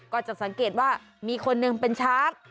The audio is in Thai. ก็จะสังเกตว่ามีคนหนึ่งเป็นช้าง